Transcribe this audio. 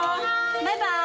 バイバイ。